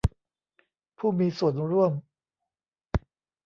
ผู้มีส่วนร่วม